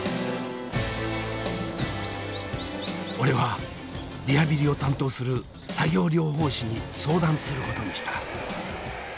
俺はリハビリを担当する作業療法士に相談することにした。